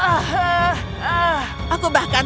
mereka di dalam rover ini